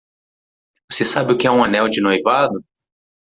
Você sabe o que é um anel de noivado?